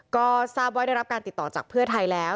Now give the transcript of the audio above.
ก็ทราบว่าได้รับการติดต่อจากเพื่อไทยแล้ว